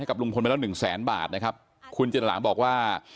ลุงพลไปแล้วหนึ่งแสนบาทนะครับคุณจินตราบอกว่า